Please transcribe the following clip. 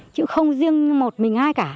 chứ không riêng một mình ai cả